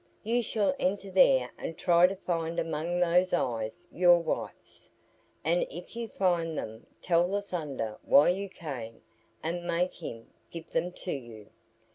You shall enter there and try to find among those eyes your wife's, and if you find them tell the Thunder why you came and make him give them to you.